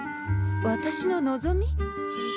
私の望み？